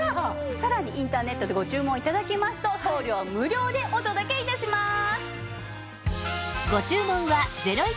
さらにインターネットでご注文頂きますと送料無料でお届け致します。